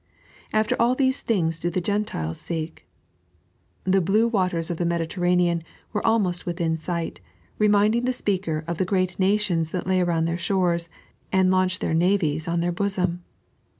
" After all these things do the OentOes seek." The blue waters of the Mediterranean were almost within eight, reminding the Speaker of the great nations that lay around their shores, and Uunched their navies on their bosom.